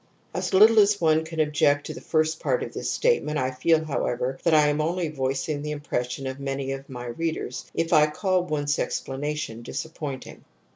As little as one can object to the first part of this statement I feel, however, that I am only voicing the impression of many of my readers if I call Wundt's explanation dis appointing.